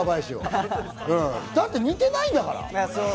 だって、似てないんだから。